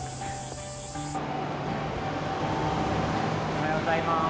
おはようございます。